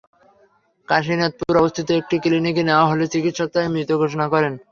কাশীনাথপুরে অবস্থিত একটি ক্লিনিকে নেওয়া হলে চিকিৎসক তাদের মৃত ঘোষণা করেন।